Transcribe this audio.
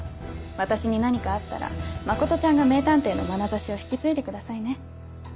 私に何かあったら真ちゃんが名探偵のまなざしを引き継いでくださいね。